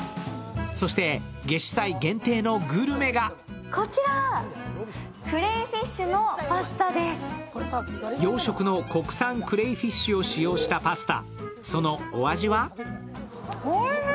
そして、夏至祭限定のグルメが養殖の国産クレイフィッシュを使用したパスタ。